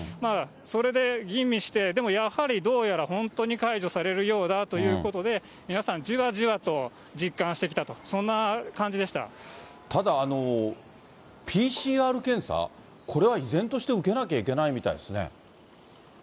それで吟味して、でもやはり、どうやら本当に解除されるようだということで、皆さんじわじわと、実感してきたと、ただ、ＰＣＲ検査、これは依然として受けなきゃいけないみたいですね。